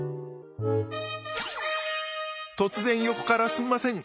突然横からすんません。